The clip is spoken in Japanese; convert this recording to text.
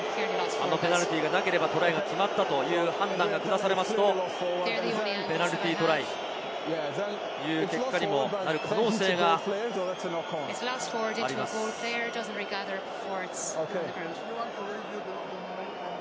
あのペナルティーがなければトライが決まったという判断がくだされるとペナルティートライという結果になる可能性があります。